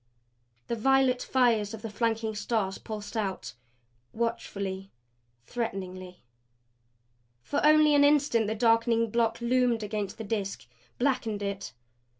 The violet fires of the flanking stars pulsed out watchfully, threateningly. For only an instant the darkening block loomed against the Disk; blackened it.